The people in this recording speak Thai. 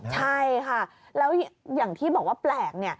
ใช่ค่ะแล้วอย่างที่บอกว่าแปลก